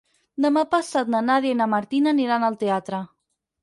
Demà passat na Nàdia i na Martina aniran al teatre.